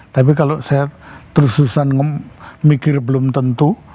tapi kalau saya terus terusan mikir belum tentu